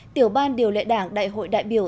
tiểu ban điều lệ đảng đại hội đại biểu